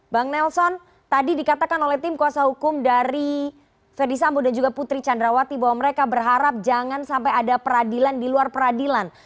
bang nelson tadi dikatakan oleh tim kuasa hukum dari verdi sambo dan juga putri candrawati bahwa mereka berharap jangan sampai ada peradilan di luar peradilan